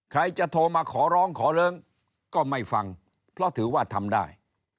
ใครจะโทรมาขอร้องขอเลิ้งก็ไม่ฟังเพราะถือว่าทำได้